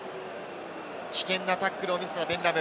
危険なタックルを見せたベン・ラム。